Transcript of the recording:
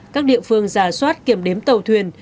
các địa phương giả soát kiểm đếm tàu thuyền